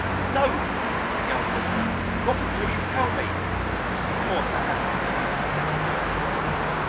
"No," he answered, "not until you tell me!" He caught her hand, refusing to let it go.